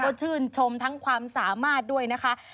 ก็ชื่นชมทั้งความสามารถด้วยนะคะ